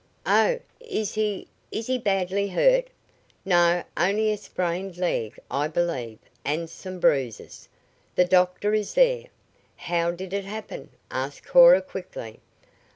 "Oh, is he is he badly hurt?" "No; only a sprained leg, I believe, and some bruises. The doctor is there." "How did it happen?" asked Cora quickly.